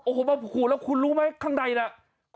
โอ้โหมาขู่แล้วคุณรู้ไหมข้างในน่ะ